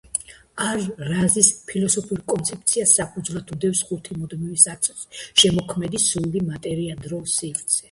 არ-რაზის ფილოსოფიურ კონცეფციას საფუძვლად უდევს ხუთი მუდმივი საწყისი: „შემოქმედი“, „სული“, „მატერია“, „დრო“, „სივრცე“.